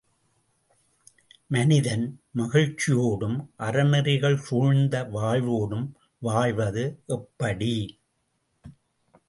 மனிதன் மகிழ்ச்சியோடும், அறநெறிகள் சூழ்ந்த வாழ்வோடும் வாழ்வது எப்படி?